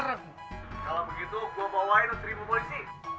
kalau begitu gue bawain seribu polisi